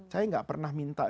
saya nggak pernah minta